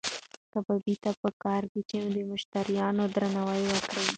کبابي ته پکار ده چې د مشتریانو درناوی وکړي.